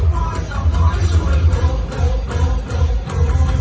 มันเป็นเมื่อไหร่แล้ว